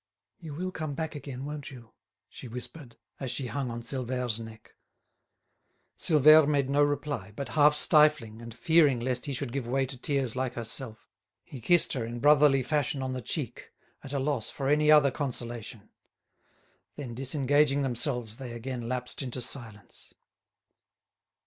"You will come back again, won't you?" she whispered, as she hung on Silvère's neck. Silvère made no reply, but, half stifling, and fearing lest he should give way to tears like herself, he kissed her in brotherly fashion on the cheek, at a loss for any other consolation. Then disengaging themselves they again lapsed into silence.